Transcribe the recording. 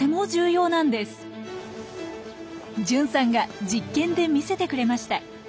純さんが実験で見せてくれました。